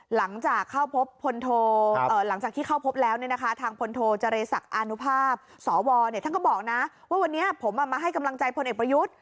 หลังจากเข้าพบพลโทหลังจากที่เข้าพบแล้วเนี่ยนะคะทางพลโทเจรศักดิ์อานุภาพสวท่านก็บอกนะว่าวันนี้ผมมาให้กำลังใจพลเอกประยุทธ์